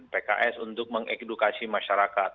pks untuk mengedukasi masyarakat